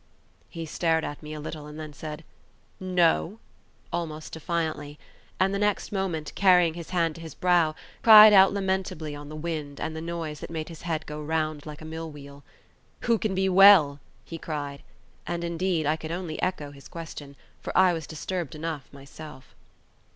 He stared at me a little, and then said, "No," almost defiantly; and the next moment, carrying his hand to his brow, cried out lamentably on the wind and the noise that made his head go round like a millwheel. "Who can be well?" he cried; and, indeed, I could only echo his question, for I was disturbed enough myself.